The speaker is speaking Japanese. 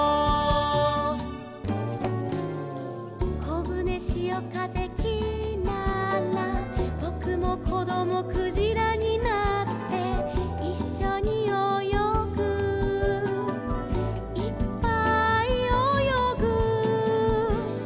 「こぶねしおかぜきらら」「ぼくもこどもクジラになって」「いっしょにおよぐいっぱいおよぐ」